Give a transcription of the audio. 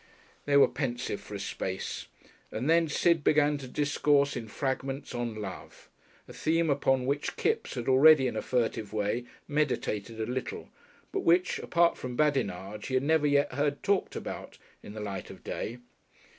They were pensive for a space, and then Sid began to discourse in fragments of Love, a theme upon which Kipps had already in a furtive way meditated a little, but which, apart from badinage, he had never yet heard talked about in the light of day.